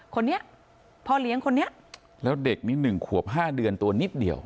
คนนี้พ่อเลี้ยงคนนี้แล้วเด็กนี้๑ขวบ๕เดือนตัวนิดเดียว